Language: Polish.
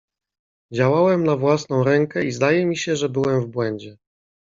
"Działałem na własną rękę i zdaje mi się, że byłem w błędzie."